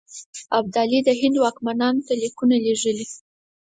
ابدالي د هند واکمنانو ته لیکونه لېږلي.